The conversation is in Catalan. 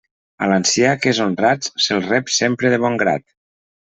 A l'ancià que és honrat se'l rep sempre de bon grat.